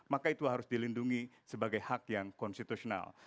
maka itu harus dilindungi sebagai hak yang konstitusional